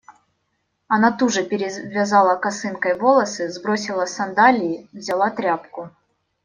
Она туже перевязала косынкой волосы. Сбросила сандалии. Взяла тряпку.